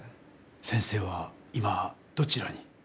先生は今どちらに？